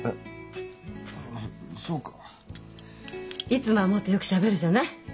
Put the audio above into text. いつもはもっとよくしゃべるじゃない。